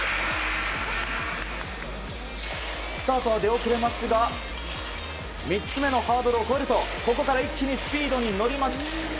スタートは出遅れますが３つ目のハードルを越えるとここから一気にスピードに乗ります。